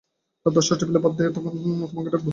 রাত দশটার সময় টেবিলে ভাত দেব, তখন তোমাকে ডাকব।